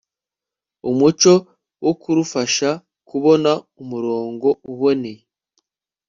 umuco wo kurufasha kubona umurongo uboneye